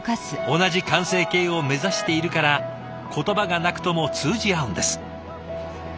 同じ完成形を目指しているから言葉がなくとも通じ合うんです。